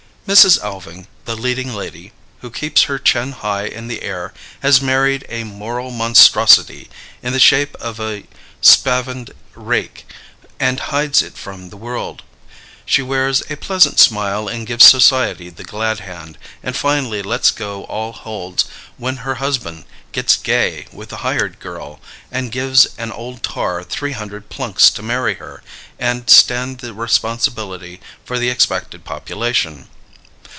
Mrs. Alving, the leading lady, who keeps her chin high in the air, has married a moral monstrosity in the shape of a spavined rake, and hides it from the world. She wears a pleasant smile and gives society the glad hand, and finally lets go all holds when her husband gets gay with the hired girl, and gives an old tar three hundred plunks to marry her and stand the responsibility for the expected population.